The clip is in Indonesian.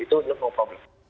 itu tidak ada masalah